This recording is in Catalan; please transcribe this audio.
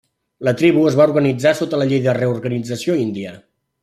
La tribu es va organitzar sota la Llei de Reorganització Índia.